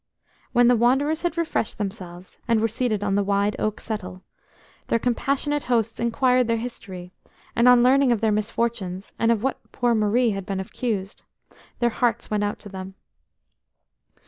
When the wanderers had refreshed themselves, and were seated on the wide oak settle, their compassionate hosts inquired their history, and on learning of their misfortunes, and of what poor Marie had been accused, their hearts went out to them.